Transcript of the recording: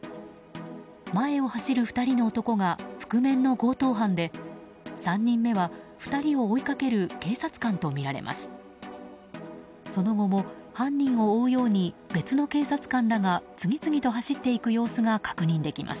前を走る２人の男が覆面の強盗犯で３人目は、２人を追いかける警察官とみられます。